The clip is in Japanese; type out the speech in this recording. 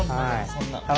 そんな！